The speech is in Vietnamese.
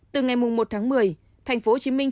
từ ngày một tháng một mươi thành phố hồ chí minh